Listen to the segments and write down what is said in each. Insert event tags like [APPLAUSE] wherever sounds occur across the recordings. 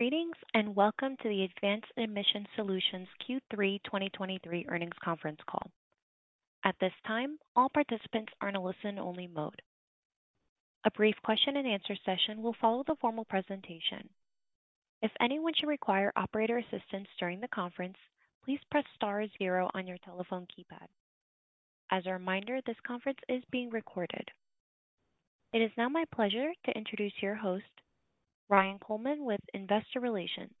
Greetings, and welcome to the Advanced Emissions Solutions Q3 2023 earnings conference call. At this time, all participants are in a listen-only mode. A brief question-and-answer session will follow the formal presentation. If anyone should require operator assistance during the conference, please press star zero on your telephone keypad. As a reminder, this conference is being recorded. It is now my pleasure to introduce your host, Ryan Coleman, with Investor Relations.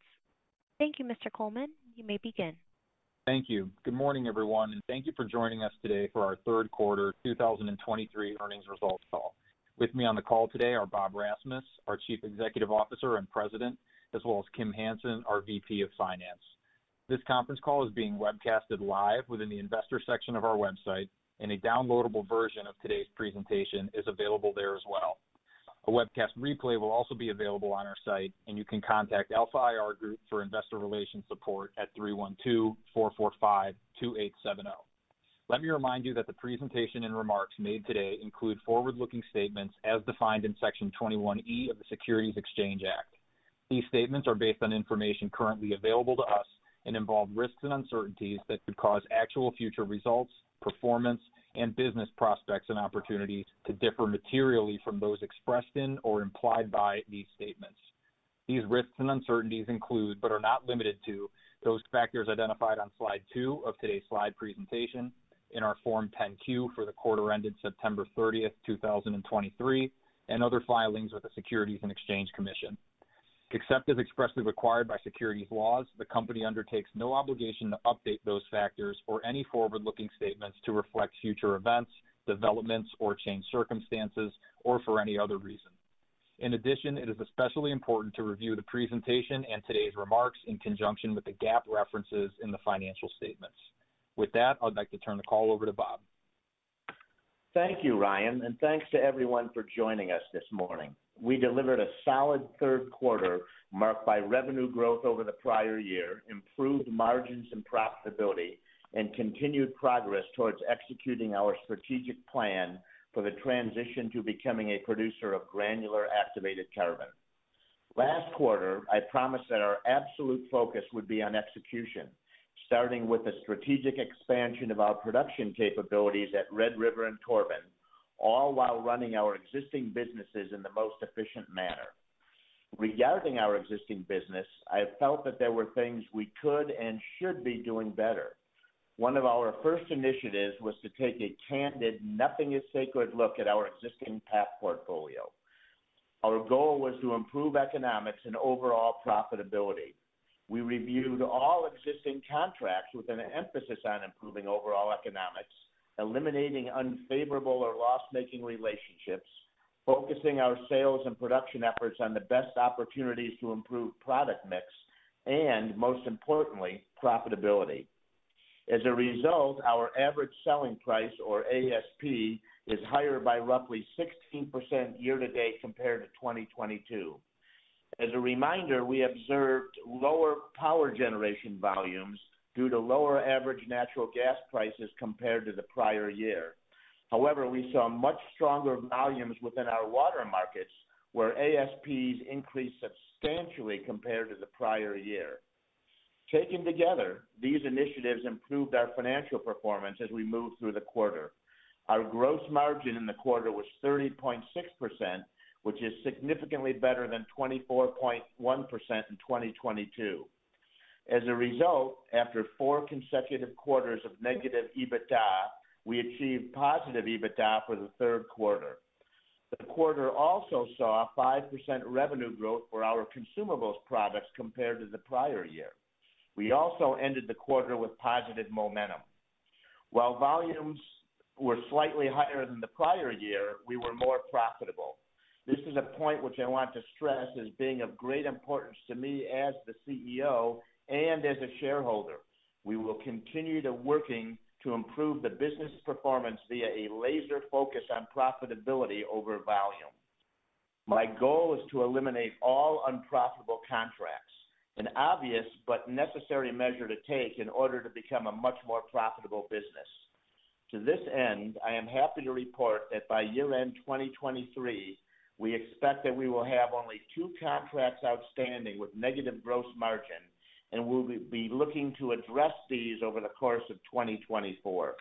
Thank you, Mr. Coleman. You may begin. Thank you. Good morning, everyone, and thank you for joining us today for our third quarter 2023 earnings results call. With me on the call today are Bob Rasmus, our Chief Executive Officer and President, as well as Kim Hansen, our VP of Finance. This conference call is being webcasted live within the investor section of our website, and a downloadable version of today's presentation is available there as well. A webcast replay will also be available on our site, and you can contact Alpha IR Group for investor relations support at 312-445-2870. Let me remind you that the presentation and remarks made today include forward-looking statements as defined in Section 21E of the Securities Exchange Act. These statements are based on information currently available to us and involve risks and uncertainties that could cause actual future results, performance, and business prospects and opportunities to differ materially from those expressed in or implied by these statements. These risks and uncertainties include, but are not limited to, those factors identified on slide 2 of today's slide presentation in our Form 10-Q for the quarter ended September 30, 2023, and other filings with the Securities and Exchange Commission. Except as expressly required by securities laws, the company undertakes no obligation to update those factors or any forward-looking statements to reflect future events, developments, or changed circumstances, or for any other reason. In addition, it is especially important to review the presentation and today's remarks in conjunction with the GAAP references in the financial statements. With that, I'd like to turn the call over to Bob. Thank you, Ryan, and thanks to everyone for joining us this morning. We delivered a solid third quarter, marked by revenue growth over the prior year, improved margins and profitability, and continued progress towards executing our strategic plan for the transition to becoming a producer of granular activated carbon. Last quarter, I promised that our absolute focus would be on execution, starting with the strategic expansion of our production capabilities at Red River and Corbin, all while running our existing businesses in the most efficient manner. Regarding our existing business, I felt that there were things we could and should be doing better. One of our first initiatives was to take a candid, nothing-is-sacred look at our existing PAC portfolio. Our goal was to improve economics and overall profitability. We reviewed all existing contracts with an emphasis on improving overall economics, eliminating unfavorable or loss-making relationships, focusing our sales and production efforts on the best opportunities to improve product mix, and most importantly, profitability. As a result, our average selling price, or ASP, is higher by roughly 16% year to date compared to 2022. As a reminder, we observed lower power generation volumes due to lower average natural gas prices compared to the prior year. However, we saw much stronger volumes within our water markets, where ASPs increased substantially compared to the prior year. Taken together, these initiatives improved our financial performance as we moved through the quarter. Our gross margin in the quarter was 30.6%, which is significantly better than 24.1% in 2022. As a result, after four consecutive quarters of negative EBITDA, we achieved positive EBITDA for the third quarter. The quarter also saw a 5% revenue growth for our consumables products compared to the prior year. We also ended the quarter with positive momentum. While volumes were slightly higher than the prior year, we were more profitable. This is a point which I want to stress as being of great importance to me as the CEO and as a shareholder. We will continue to working to improve the business performance via a laser focus on profitability over volume. My goal is to eliminate all unprofitable contracts, an obvious but necessary measure to take in order to become a much more profitable business. To this end, I am happy to report that by year-end 2023, we expect that we will have only two contracts outstanding with negative gross margin, and we'll be looking to address these over the course of 2024.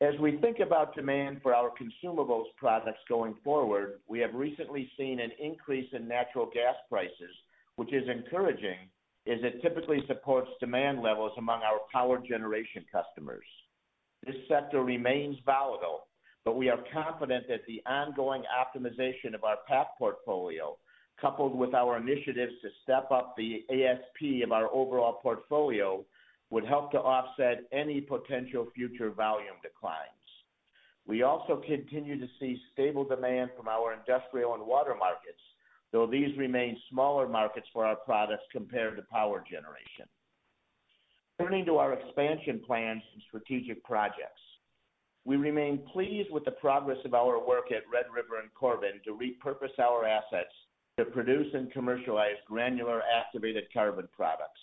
As we think about demand for our consumables products going forward, we have recently seen an increase in natural gas prices, which is encouraging, as it typically supports demand levels among our power generation customers. This sector remains volatile, but we are confident that the ongoing optimization of our PAC portfolio, coupled with our initiatives to step up the ASP of our overall portfolio, would help to offset any potential future volume declines. We also continue to see stable demand from our industrial and water markets, though these remain smaller markets for our products compared to power generation. Turning to our expansion plans and strategic projects, we remain pleased with the progress of our work at Red River and Corbin to repurpose our assets to produce and commercialize granular activated carbon products.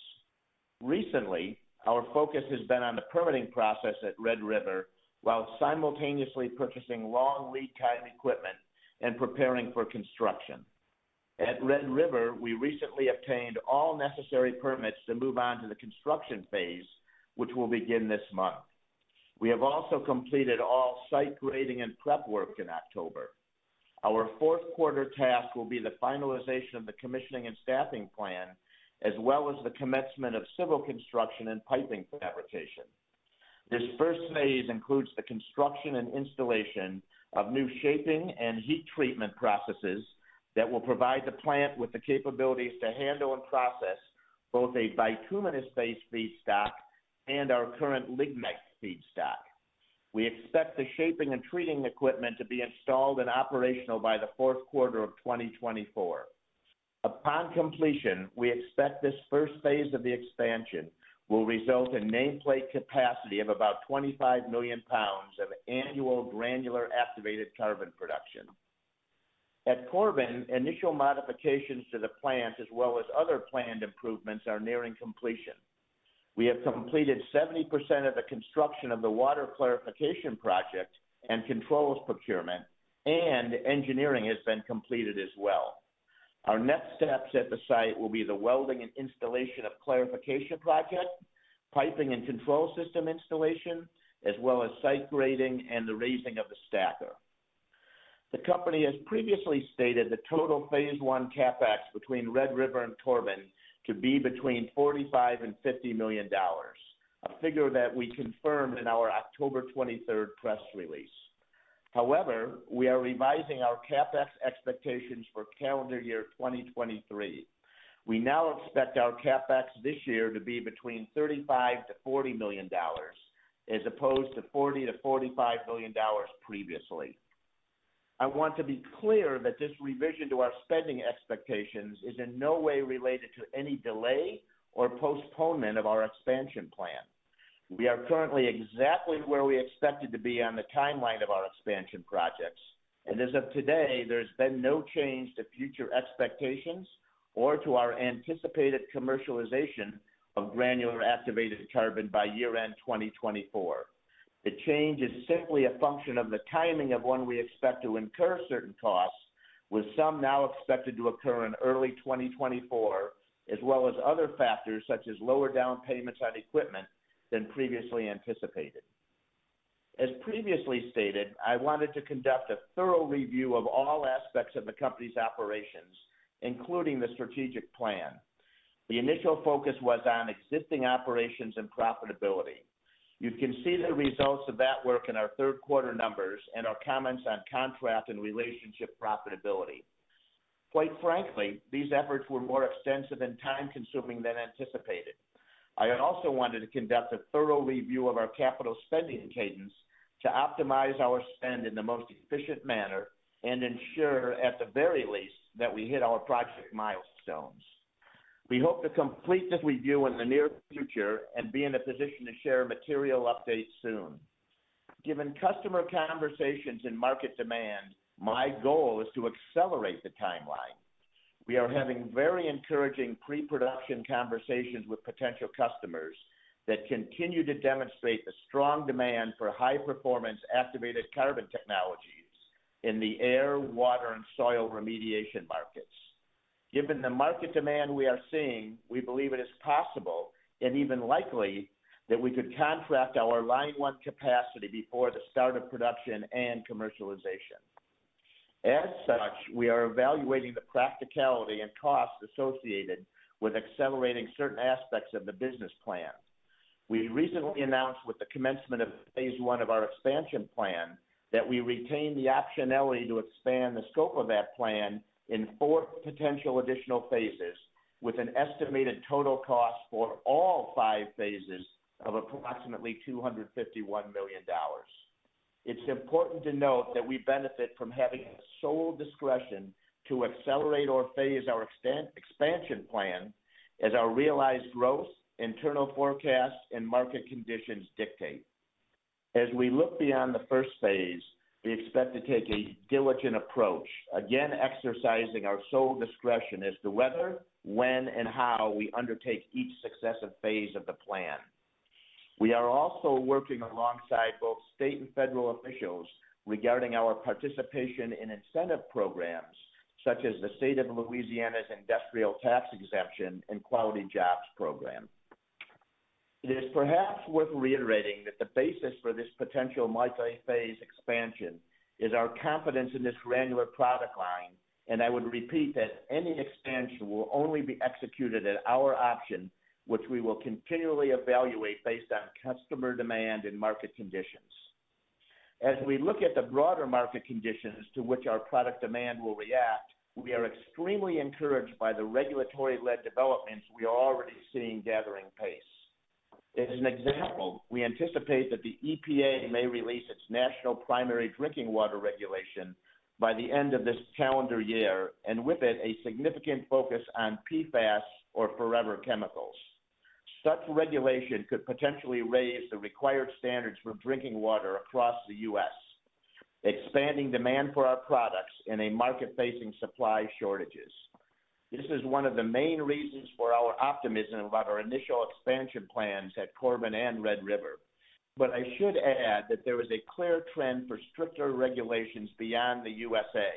Recently, our focus has been on the permitting process at Red River, while simultaneously purchasing long lead time equipment and preparing for construction. At Red River, we recently obtained all necessary permits to move on to the construction phase, which will begin this month. We have also completed all site grading and prep work in October. Our fourth quarter task will be the finalization of the commissioning and staffing plan, as well as the commencement of civil construction and piping fabrication. This first phase includes the construction and installation of new shaping and heat treatment processes that will provide the plant with the capabilities to handle and process both a bituminous-based feedstock and our current lignite feedstock. We expect the shaping and treating equipment to be installed and operational by the fourth quarter of 2024. Upon completion, we expect this first phase of the expansion will result in nameplate capacity of about 25 million pounds of annual granular activated carbon production. At Corbin, initial modifications to the plant, as well as other planned improvements, are nearing completion. We have completed 70% of the construction of the water clarification project and controls procurement, and engineering has been completed as well. Our next steps at the site will be the welding and installation of clarification project, piping and control system installation, as well as site grading and the raising of the stacker. The company has previously stated the total phase one CapEx between Red River and Corbin to be between $45 million and $50 million, a figure that we confirmed in our October 23rd press release. However, we are revising our CapEx expectations for calendar year 2023. We now expect our CapEx this year to be between $35 million-$40 million, as opposed to $40 million-$45 million previously. I want to be clear that this revision to our spending expectations is in no way related to any delay or postponement of our expansion plan. We are currently exactly where we expected to be on the timeline of our expansion projects, and as of today, there's been no change to future expectations or to our anticipated commercialization of granular activated carbon by year-end 2024. The change is simply a function of the timing of when we expect to incur certain costs, with some now expected to occur in early 2024, as well as other factors such as lower down payments on equipment than previously anticipated. As previously stated, I wanted to conduct a thorough review of all aspects of the company's operations, including the strategic plan. The initial focus was on existing operations and profitability. You can see the results of that work in our third quarter numbers and our comments on contract and relationship profitability. Quite frankly, these efforts were more extensive and time-consuming than anticipated. I had also wanted to conduct a thorough review of our capital spending cadence to optimize our spend in the most efficient manner and ensure, at the very least, that we hit our project milestones. We hope to complete this review in the near future and be in a position to share material updates soon. Given customer conversations and market demand, my goal is to accelerate the timeline. We are having very encouraging pre-production conversations with potential customers that continue to demonstrate the strong demand for high-performance activated carbon technologies in the air, water, and soil remediation markets. Given the market demand we are seeing, we believe it is possible, and even likely, that we could contract our Line 1 capacity before the start of production and commercialization. As such, we are evaluating the practicality and costs associated with accelerating certain aspects of the business plan. We recently announced with the commencement of phase one of our expansion plan, that we retain the optionality to expand the scope of that plan in four potential additional phases, with an estimated total cost for all five phases of approximately $251 million. It's important to note that we benefit from having sole discretion to accelerate or phase our expansion plan as our realized growth, internal forecasts, and market conditions dictate. As we look beyond the first phase, we expect to take a diligent approach, again, exercising our sole discretion as to whether, when, and how we undertake each successive phase of the plan. We are also working alongside both state and federal officials regarding our participation in incentive programs such as the State of Louisiana's Industrial Tax Exemption and Quality Jobs program. It is perhaps worth reiterating that the basis for this potential multiphase expansion is our confidence in this granular product line, and I would repeat that any expansion will only be executed at our option, which we will continually evaluate based on customer demand and market conditions. As we look at the broader market conditions to which our product demand will react, we are extremely encouraged by the regulatory-led developments we are already seeing gathering pace. As an example, we anticipate that the EPA may release its National Primary Drinking Water Regulation by the end of this calendar year, and with it, a significant focus on PFAS or forever chemicals. Such regulation could potentially raise the required standards for drinking water across the U.S.... expanding demand for our products in a market facing supply shortages. This is one of the main reasons for our optimism about our initial expansion plans at Corbin and Red River. But I should add that there is a clear trend for stricter regulations beyond the USA.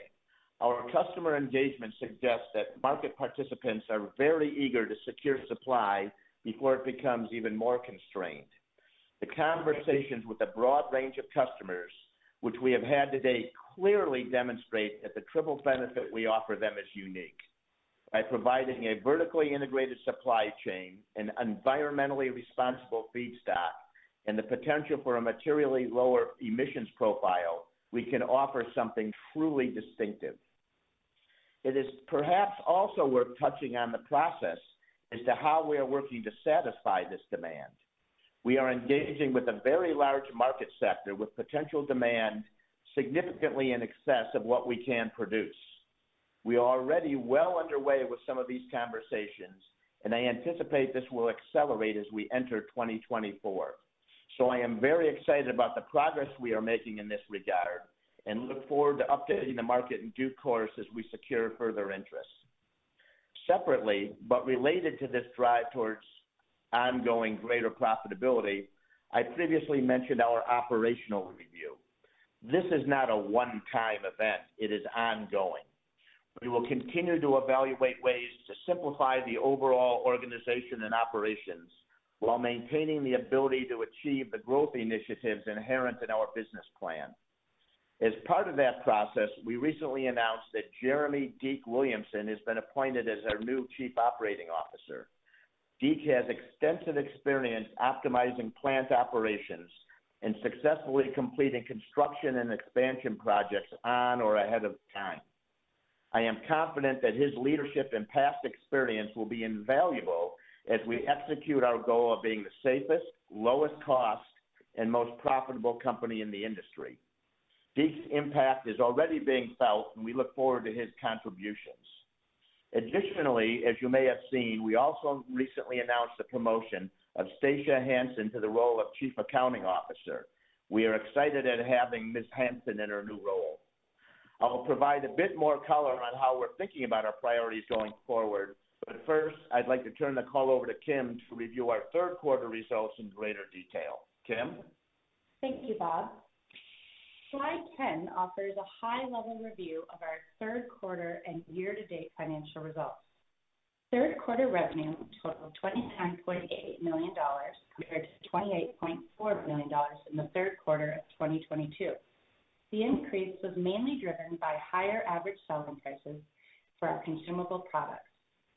Our customer engagement suggests that market participants are very eager to secure supply before it becomes even more constrained. The conversations with a broad range of customers, which we have had today, clearly demonstrate that the triple benefit we offer them is unique. By providing a vertically integrated supply chain and environmentally responsible feedstock, and the potential for a materially lower emissions profile, we can offer something truly distinctive. It is perhaps also worth touching on the process as to how we are working to satisfy this demand. We are engaging with a very large market sector, with potential demand significantly in excess of what we can produce. We are already well underway with some of these conversations, and I anticipate this will accelerate as we enter 2024. So I am very excited about the progress we are making in this regard, and look forward to updating the market in due course as we secure further interest. Separately, but related to this drive towards ongoing greater profitability, I previously mentioned our operational review. This is not a one-time event. It is ongoing. We will continue to evaluate ways to simplify the overall organization and operations, while maintaining the ability to achieve the growth initiatives inherent in our business plan. As part of that process, we recently announced that Jeremy Deke Williamson has been appointed as our new Chief Operating Officer. Deke has extensive experience optimizing plant operations and successfully completing construction and expansion projects on or ahead of time. I am confident that his leadership and past experience will be invaluable as we execute our goal of being the safest, lowest cost, and most profitable company in the industry. Deke's impact is already being felt, and we look forward to his contributions. Additionally, as you may have seen, we also recently announced the promotion of Stacia Hansen to the role of Chief Accounting Officer. We are excited at having Ms. Hansen in her new role. I will provide a bit more color on how we're thinking about our priorities going forward, but first, I'd like to turn the call over to Kim to review our third quarter results in greater detail. Kim? Thank you, Bob. Slide 10 offers a high-level review of our third quarter and year-to-date financial results. Third quarter revenue totaled $29.8 million, compared to $28.4 million in the third quarter of 2022. The increase was mainly driven by higher average selling prices for our consumable products.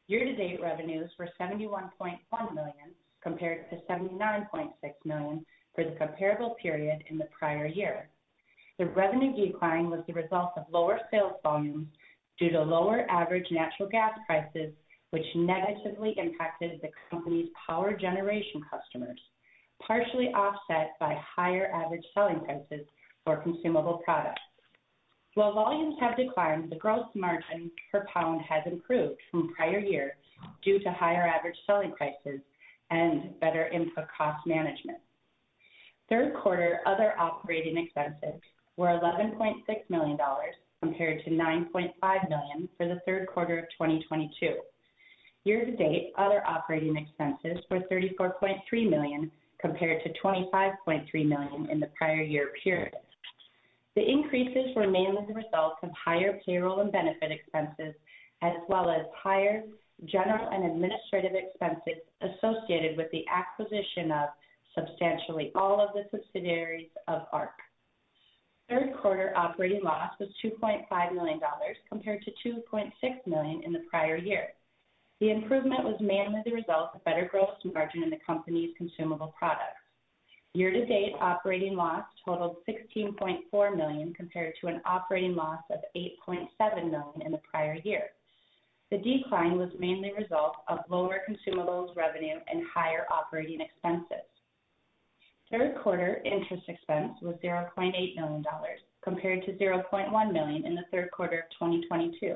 Year-to-date revenues were $71.1 million, compared to $79.6 million for the comparable period in the prior year. The revenue decline was the result of lower sales volumes due to lower average natural gas prices, which negatively impacted the company's power generation customers, partially offset by higher average selling prices for consumable products. While volumes have declined, the gross margin per pound has improved from prior years due to higher average selling prices and better input cost management. Third quarter other operating expenses were $11.6 million, compared to $9.5 million for the third quarter of 2022. Year-to-date, other operating expenses were $34.3 million, compared to $25.3 million in the prior year period. The increases were mainly the result of higher payroll and benefit expenses, as well as higher general and administrative expenses associated with the acquisition of substantially all of the subsidiaries of Arq. Third quarter operating loss was $2.5 million, compared to $2.6 million in the prior year. The improvement was mainly the result of better gross margin in the company's consumable products. Year-to-date operating loss totaled $16.4 million, compared to an operating loss of $8.7 million in the prior year. The decline was mainly a result of lower consumables revenue and higher operating expenses. Third quarter interest expense was $0.8 million, compared to $0.1 million in the third quarter of 2022.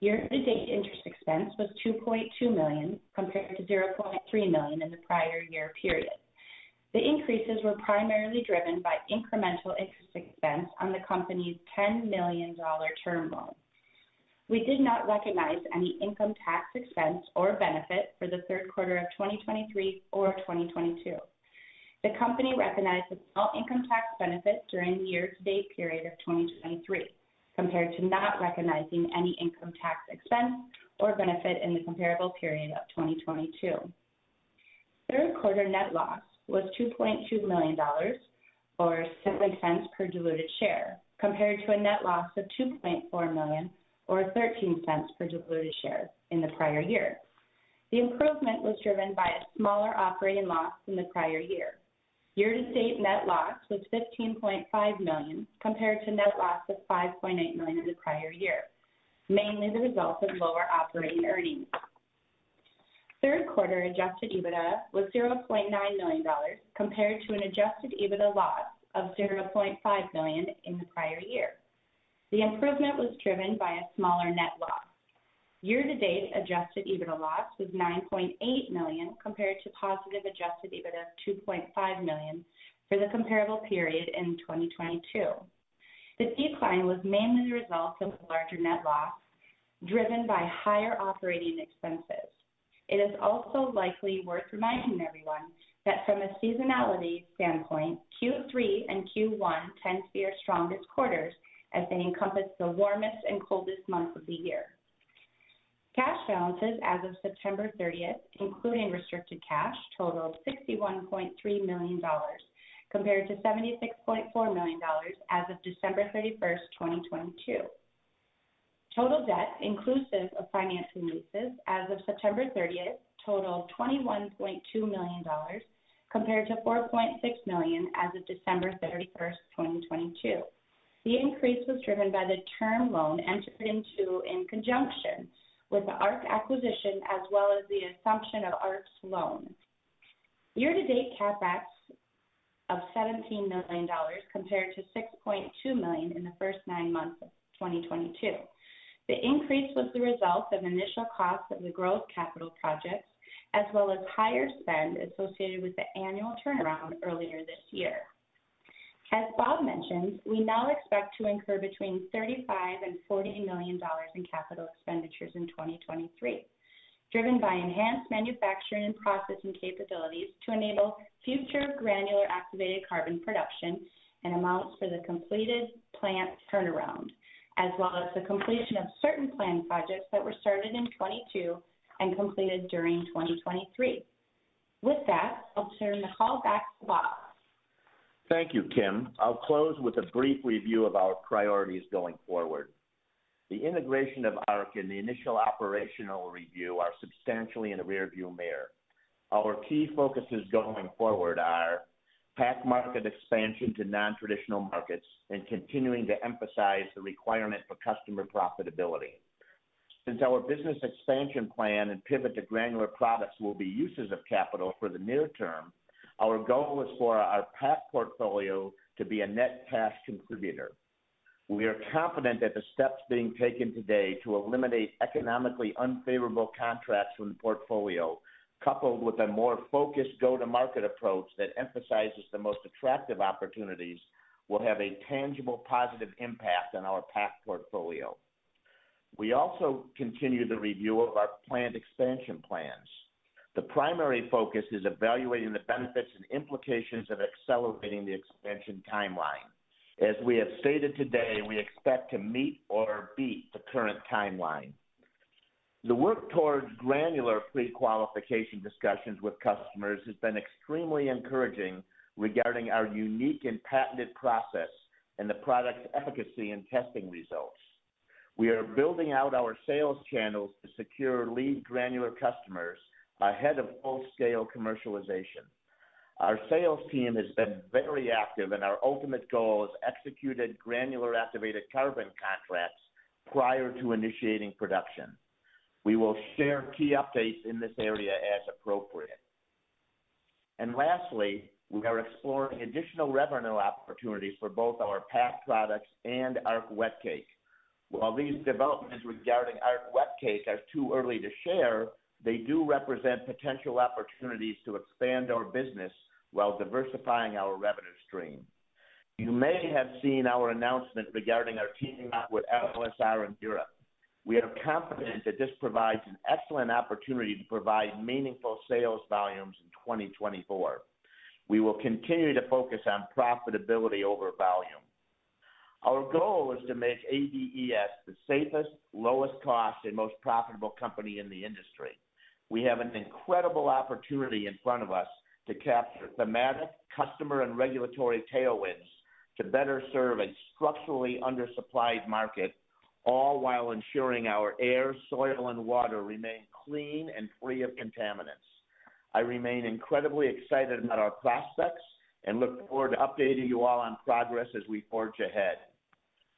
Year-to-date interest expense was $2.2 million, compared to $0.3 million in the prior year period. The increases were primarily driven by incremental interest expense on the company's $10 million term loan. We did not recognize any income tax expense or benefit for the third quarter of 2023 or 2022. The company recognized a small income tax benefit during the year-to-date period of 2023, compared to not recognizing any income tax expense or benefit in the comparable period of 2022. Third quarter net loss was $2.2 million, or $0.07 per diluted share, compared to a net loss of $2.4 million, or $0.13 per diluted share in the prior year. The improvement was driven by a smaller operating loss than the prior year. Year-to-date net loss was $15.5 million, compared to net loss of $5.8 million in the prior year, mainly the result of lower operating earnings. Third quarter adjusted EBITDA was $0.9 million, compared to an adjusted EBITDA loss of $0.5 million in the prior year. The improvement was driven by a smaller net loss. Year-to-date adjusted EBITDA loss was $9.8 million, compared to positive adjusted EBITDA of $2.5 million for the comparable period in 2022. This decline was mainly the result of a larger net loss, driven by higher operating expenses. It is also likely worth reminding everyone that from a seasonality standpoint, Q3 and Q1 tend to be our strongest quarters, as they encompass the warmest and coldest months of the year. Cash balances as of September 30, including restricted cash, totaled $61.3 million, compared to $76.4 million as of December 31, 2022. Total debt, inclusive of financing leases as of September 30, totaled $21.2 million, compared to $4.6 million as of December 31, 2022. The increase was driven by the term loan entered into in conjunction with the Arq acquisition, as well as the assumption of Arq's loan. Year-to-date CapEx of $17 million, compared to $6.2 million in the first nine months of 2022. The increase was the result of initial costs of the growth capital projects, as well as higher spend associated with the annual turnaround earlier this year. As Bob mentioned, we now expect to incur between $35 million and $40 million in capital expenditures in 2023, driven by enhanced manufacturing and processing capabilities to enable future granular activated carbon production and amounts for the completed plant turnaround, as well as the completion of certain planned projects that were started in 2022 and completed during 2023. With that, I'll turn the call back to Bob. Thank you, Kim. I'll close with a brief review of our priorities going forward. The integration of Arq and the initial operational review are substantially in the rearview mirror. Our key focuses going forward are PAC market expansion to nontraditional markets and continuing to emphasize the requirement for customer profitability. Since our business expansion plan and pivot to granular products will be uses of capital for the near term, our goal is for our PAC portfolio to be a net cash contributor. We are confident that the steps being taken today to eliminate economically unfavorable contracts from the portfolio, coupled with a more focused go-to-market approach that emphasizes the most attractive opportunities, will have a tangible, positive impact on our PAC portfolio. We also continue the review of our planned expansion plans. The primary focus is evaluating the benefits and implications of accelerating the expansion timeline. As we have stated today, we expect to meet or beat the current timeline. The work towards granular prequalification discussions with customers has been extremely encouraging regarding our unique and patented process and the product's efficacy and testing results. We are building out our sales channels to secure lead granular customers ahead of full-scale commercialization. Our sales team has been very active, and our ultimate goal is executed granular activated carbon contracts prior to initiating production. We will share key updates in this area as appropriate. Lastly, we are exploring additional revenue opportunities for both our PAC products and Arq wet cake. While these developments regarding Arq wet cake are too early to share, they do represent potential opportunities to expand our business while diversifying our revenue stream. You may have seen our announcement regarding our teaming up with [INAUDIBLE] in Europe. We are confident that this provides an excellent opportunity to provide meaningful sales volumes in 2024. We will continue to focus on profitability over volume. Our goal is to make ADES the safest, lowest cost, and most profitable company in the industry. We have an incredible opportunity in front of us to capture thematic customer and regulatory tailwinds to better serve a structurally undersupplied market, all while ensuring our air, soil, and water remain clean and free of contaminants. I remain incredibly excited about our prospects and look forward to updating you all on progress as we forge ahead.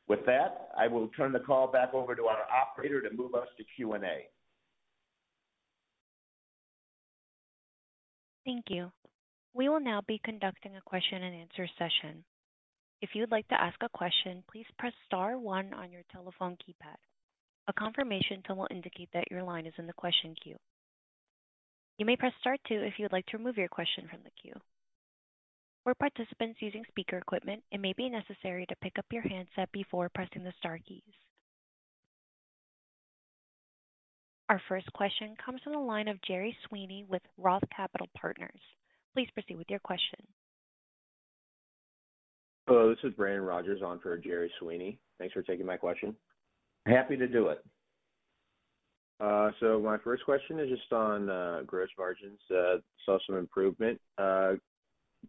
With that, I will turn the call back over to our operator to move us to Q&A. Thank you. We will now be conducting a question-and-answer session. If you would like to ask a question, please press star one on your telephone keypad. A confirmation tone will indicate that your line is in the question queue. You may press star two if you would like to remove your question from the queue. For participants using speaker equipment, it may be necessary to pick up your handset before pressing the star keys. Our first question comes from the line of Jerry Sweeney with Roth Capital Partners. Please proceed with your question. Hello, this is Brandon Rogers on for Jerry Sweeney. Thanks for taking my question. Happy to do it. So my first question is just on gross margins. Saw some improvement.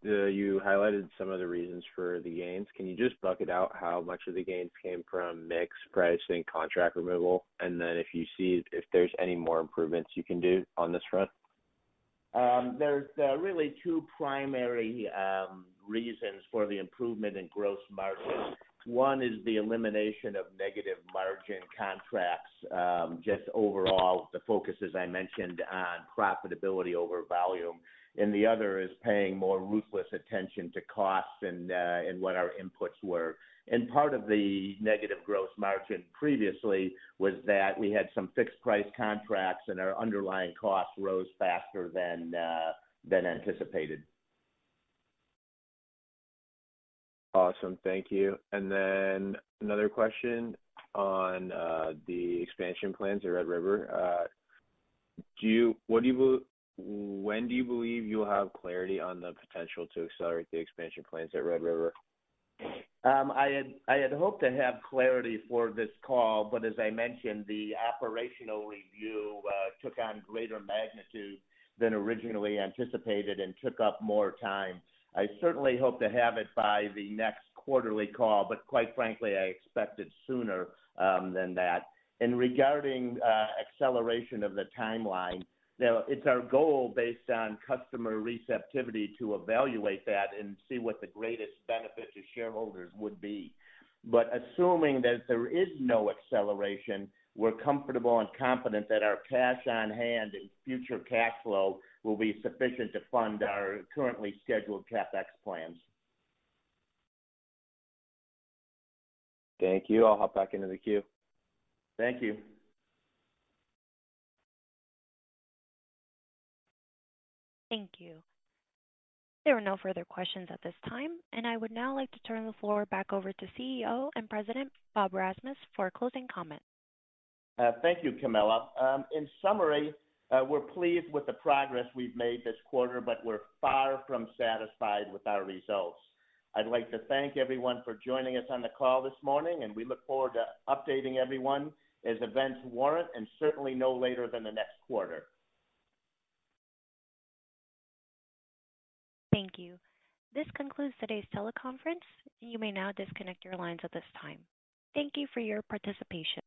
You highlighted some of the reasons for the gains. Can you just bucket out how much of the gains came from mix, pricing, contract removal? And then if you see if there's any more improvements you can do on this front. There's really two primary reasons for the improvement in gross margins. One is the elimination of negative margin contracts, just overall, the focus, as I mentioned, on profitability over volume. The other is paying more ruthless attention to costs and what our inputs were. Part of the negative gross margin previously was that we had some fixed price contracts, and our underlying costs rose faster than anticipated.... Awesome. Thank you. And then another question on the expansion plans at Red River. When do you believe you will have clarity on the potential to accelerate the expansion plans at Red River? I had hoped to have clarity for this call, but as I mentioned, the operational review took on greater magnitude than originally anticipated and took up more time. I certainly hope to have it by the next quarterly call, but quite frankly, I expect it sooner than that. And regarding acceleration of the timeline, now, it's our goal, based on customer receptivity, to evaluate that and see what the greatest benefit to shareholders would be. But assuming that there is no acceleration, we're comfortable and confident that our cash on hand and future cash flow will be sufficient to fund our currently scheduled CapEx plans. Thank you. I'll hop back into the queue. Thank you. Thank you. There are no further questions at this time, and I would now like to turn the floor back over to CEO and President, Bob Rasmus, for closing comments. Thank you, Camilla. In summary, we're pleased with the progress we've made this quarter, but we're far from satisfied with our results. I'd like to thank everyone for joining us on the call this morning, and we look forward to updating everyone as events warrant, and certainly no later than the next quarter. Thank you. This concludes today's teleconference. You may now disconnect your lines at this time. Thank you for your participation.